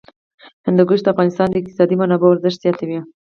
هندوکش د افغانستان د اقتصادي منابعو ارزښت زیاتوي.